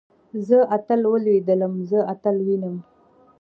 زه اتل وليدلم. زه اتل وينم.